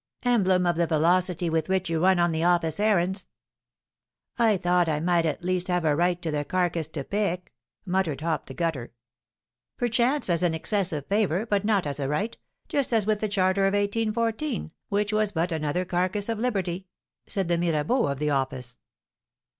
"Emblem of the velocity with which you run on the office errands." "I thought I might at least have a right to the carcass to pick!" muttered Hop the Gutter. "Perchance, as an excessive favour, but not as a right; just as with the Charter of 1814, which was but another carcass of liberty!" said the Mirabeau of the office.